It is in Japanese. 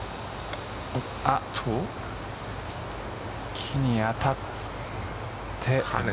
木に当たって。